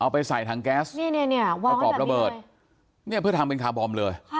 เอาไปใส่ถังแก๊สเนี่ยเนี่ยเนี่ยประกอบระเบิดเนี่ยเพื่อทำเป็นคาบอมเลย